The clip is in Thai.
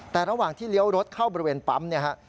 แต่ระหว่างที่เลี้ยวรถเข้าบริเวณปั๊มเนี่ยฮะ